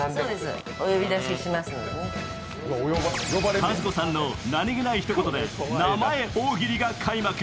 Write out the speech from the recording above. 和子さんの何気ないひと言で名前大喜利が開幕。